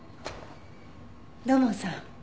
土門さん。